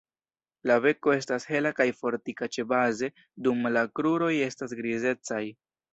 La beko estas hela kaj fortika ĉebaze dum la kruroj estas grizecaj.